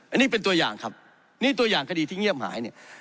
อันนี้เป็นตัวอย่างครับนี่ตัวอย่างคดีที่เงียบหายเนี่ย